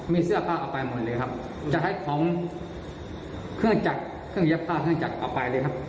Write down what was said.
มีเสื้อผ้าเอาไปหมดเลยครับจะให้ของเครื่องจักรเครื่องเย็บผ้าเครื่องจักรเอาไปเลยครับ